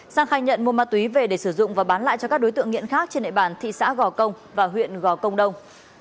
sang khai nhận mua ma túy về để sử dụng và bán lại cho các đối tượng nghiện khác trên địa bàn thị xã gò công và huyện gò công đông